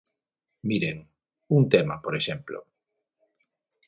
Miren, un tema, por exemplo.